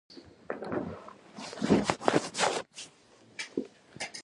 بګۍ ډکې شوې.